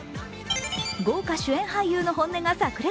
豪華主演俳優の本音がさく裂。